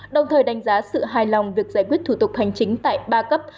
đồng thời đánh giá sự hài lòng việc giải quyết thủ tục hành chính tại ba cấp